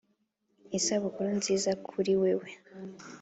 isabukuru nziza kuri wewe,